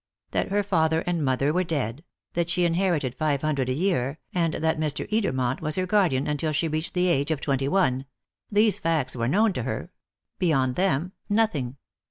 That her father and mother were dead, that she inherited five hundred a year, and that Mr. Edermont was her guardian until she reached the age of twenty one these facts were known to her; beyond them, nothing.